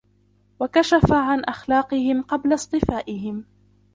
وَكَشَفَ عَنْ أَخْلَاقِهِمْ قَبْلَ اصْطِفَائِهِمْ